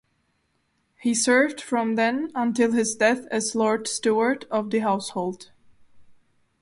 He served from then until his death as Lord Steward of the Household.